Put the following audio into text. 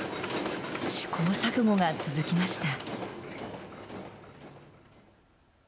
試行錯誤が続きました。